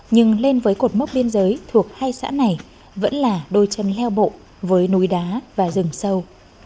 nhưng lên với cột mốc biên giới thuộc hai xã này vẫn là đôi chân leo bộ với núi đá và rừng sâu